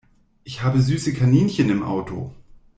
Ich habe süße Kaninchen im Auto!